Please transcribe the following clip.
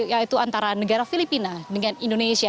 yaitu antara negara filipina dengan indonesia